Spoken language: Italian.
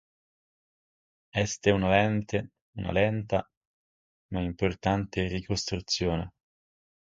Este una lenta ma importante ricostruzione.